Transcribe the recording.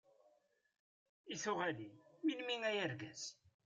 I tuɣalin melmi ay argaz?